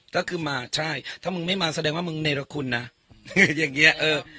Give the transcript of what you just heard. ก็คือมาใช่ถ้ามึงไม่มาแสดงว่ามึงเนรคุณนะอย่างเงี้ยเออ